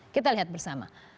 kita lihat bersama